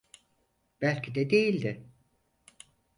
Belki de değildi.